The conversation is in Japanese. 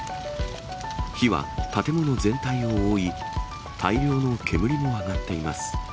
火は建物全体を覆い、大量の煙も上がっています。